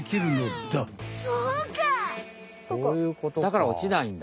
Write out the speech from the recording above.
だからおちないんだ。